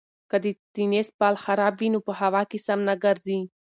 که د تېنس بال خراب وي نو په هوا کې سم نه ګرځي.